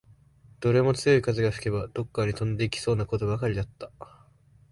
どれも強い風が吹けば、どっかに飛んでいきそうなことばかりだった